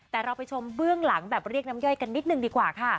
แต่เราไปชมเบื้องหลังแบบเรียกน้ำย่อยกันนิดนึงดีกว่าค่ะ